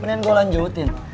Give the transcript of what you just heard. mendingan gua lanjutin